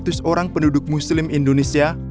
seratus orang penduduk muslim indonesia